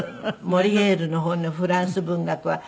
モリエールの本のフランス文学は。